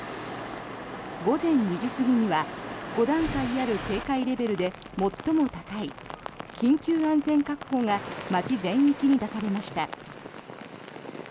午前２時過ぎには５段階ある警戒レベルで最も高い緊急安全確保が町全域に出されました。